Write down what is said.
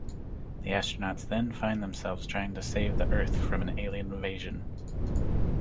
The astronauts then find themselves trying to save the Earth from an alien invasion.